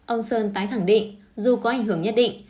ông sơn tái khẳng định dù có ảnh hưởng nhất định